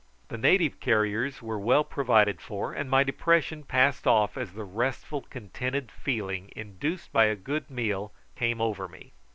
The native carriers were well provided for, and my depression passed off as the restful contented feeling induced by a good meal came over me.